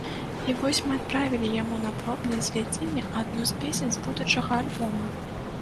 І вось мы адправілі яму на пробнае звядзенне адну з песень з будучага альбома.